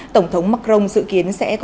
tổng thống macron dự kiến sẽ có